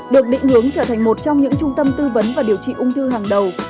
được định hướng trở thành một trong những trung tâm tư vấn và điều trị ung thư hàng đầu